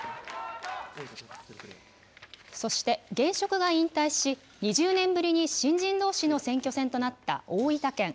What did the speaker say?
そして、現職が引退し、２０年ぶりに新人どうしの選挙戦となった大分県。